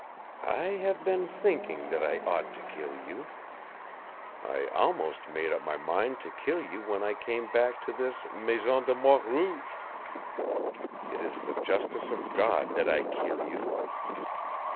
"I have been thinking that I ought to kill you. I had almost made up my mind to kill you when I came back to this Maison de Mort Rouge. It is the justice of God that I kill you!"